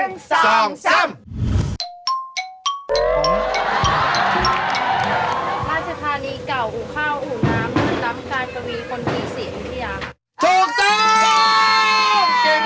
อุ้งข้าวอุ้งน้ำน้ำกาลกะวีคนที่สินทุกอย่าง